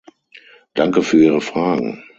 Danke für Ihre Fragen.